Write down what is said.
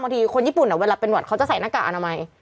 ทีคนญี่ปุ่นเวลาเป็นหวัดเขาจะใส่หน้ากากอนามัย